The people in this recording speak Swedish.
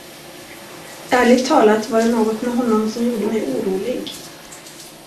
Ärligt talat, var det något med honom som gjorde mig orolig.